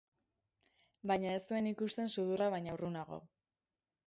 Baina ez zuen ikusten sudurra baino urrunago.